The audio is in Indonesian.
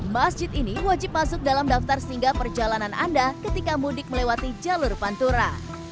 masjid ini wajib masuk dalam daftar singgah perjalanan anda ketika mudik melewati jalur pantura